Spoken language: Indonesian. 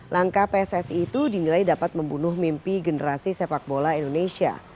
langkah pssi itu dinilai dapat membunuh mimpi generasi sepak bola indonesia